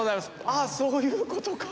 あそういうことか。